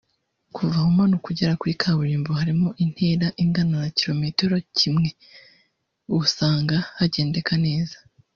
Kuva aha umanuka ugera kuri kaburimbo (harimo intera ingana n’ikilometero kimwe) usanga hagendeka neza